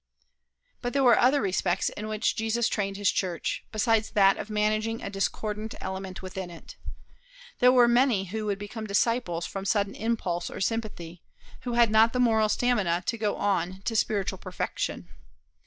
But there were other respects in which Jesus trained his church, besides that of managing a discordant element within it. There were many who would become disciples from sudden impulse or sympathy, who had not the moral stamina to go on to spiritual perfection.